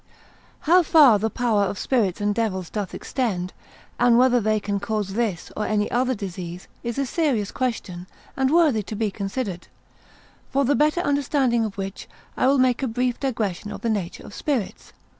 How far the power of spirits and devils doth extend, and whether they can cause this, or any other disease, is a serious question, and worthy to be considered: for the better understanding of which, I will make a brief digression of the nature of spirits.